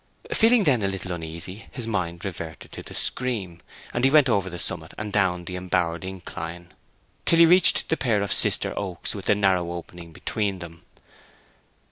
Feeling then a little uneasy, his mind reverted to the scream; and he went forward over the summit and down the embowered incline, till he reached the pair of sister oaks with the narrow opening between them.